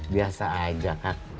biasa aja kak